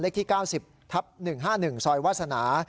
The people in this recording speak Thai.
ที่๙๐ทับ๑๕๑ซอยวาสนา